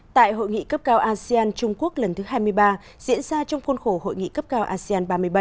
tại hội nghị cấp cao asean trung quốc lần thứ hai mươi ba diễn ra trong khuôn khổ hội nghị cấp cao asean ba mươi bảy